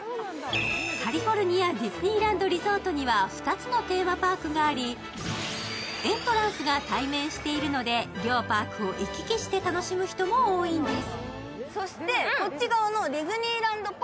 カリフォルニア・ディズニーランド・リゾートには２つのテーマパークがありエントランスが対面しているので両パークを行き来して楽しむ人も多いんです。